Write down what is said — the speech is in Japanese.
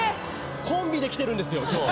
コンビで来てるんですよ今日。